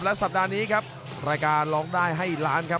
และสัปดาห์นี้ครับรายการร้องได้ให้ล้านครับ